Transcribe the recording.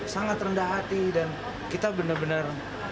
sangat rendah hati dan kita benar benar